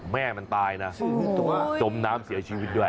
แม่มันตายนะจมน้ำเสียชีวิตด้วย